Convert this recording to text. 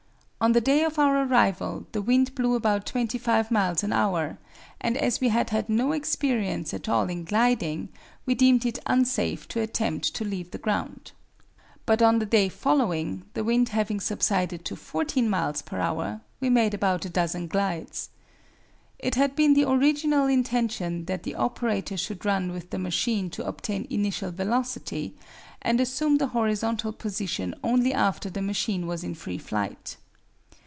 On the day of our arrival the wind blew about 25 miles an hour, and as we had had no experience at all in gliding, we deemed it unsafe to attempt to leave the ground. But on the day following, the wind having subsided to 14 miles per hour, we made about a dozen glides. It had been the original intention that the operator should run with the machine to obtain initial velocity, and assume the horizontal position only after the machine was in free flight.